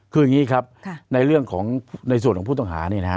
คืออย่างนี้ครับในเรื่องของในส่วนของผู้ต้องหานี่นะฮะ